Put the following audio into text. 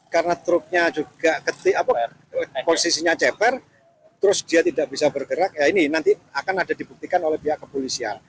karena truknya juga ketik posisinya ceper terus dia tidak bisa bergerak ya ini nanti akan ada dibuktikan oleh pihak kepolisian